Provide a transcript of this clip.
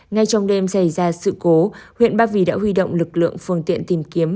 ngay trong đêm xảy ra sự cố huyện ba vì đã huy động lực lượng phương tiện tìm kiếm